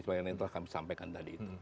selain yang telah kami sampaikan tadi